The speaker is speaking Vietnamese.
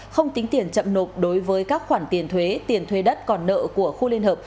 không tính tiền chậm nộp đối với các khoản tiền thuế tiền thuế đất còn nợ của khu liên hợp